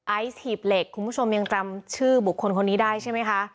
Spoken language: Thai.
ไอซ์หีบเหล็กคุณผู้ชมยังจำชื่อบุคคลคนนี้ได้ใช่ไหมคะ